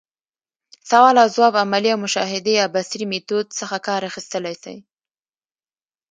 سوال اوځواب، عملي او مشاهدي يا بصري ميتود څخه کار اخستلاي سي.